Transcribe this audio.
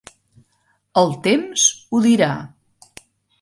El temps ho dirà.